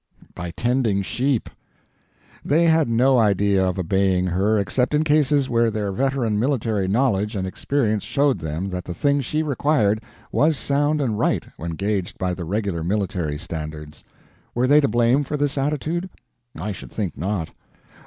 By tending sheep. They had no idea of obeying her except in cases where their veteran military knowledge and experience showed them that the thing she required was sound and right when gauged by the regular military standards. Were they to blame for this attitude? I should think not.